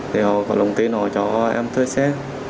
thì họ có lồng tin họ cho em thuê xe